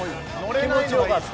気持ちよかった。